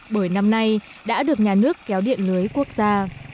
bởi năm nay đã được nhà nước kéo điện lưới quốc gia